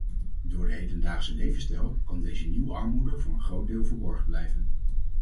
Door de hedendaagse levensstijl kan deze nieuwe armoede voor een groot deel verborgen blijven.